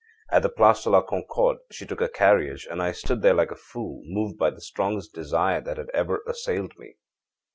At the Place de la Concorde she took a carriage, and I stood there like a fool, moved by the strongest desire that had ever assailed me.